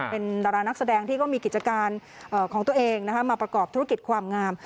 เป็นดารานักแสดงที่ก็มีกิจการของตัวเองมาประกอบธุรกิจความงาม